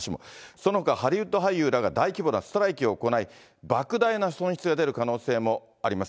そのほか、ハリウッド俳優らが大規模なストライキを行い、ばく大な損失が出る可能性もあります。